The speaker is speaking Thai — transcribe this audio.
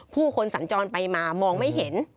ผู้คนสัญจรไปมามองไม่เห็น